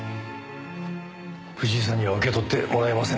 藤井さんには受け取ってもらえませんでしたが。